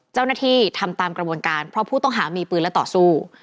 เจ้าหน้าที่ทำตามกระบวนการเพราะผู้ต้องหามีปืนและต่อสู้